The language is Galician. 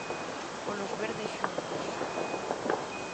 Polos verdes xuncos!